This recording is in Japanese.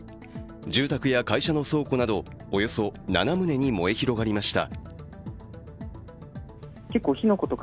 住宅や会社の倉庫などおよそ７棟に燃え広がりました。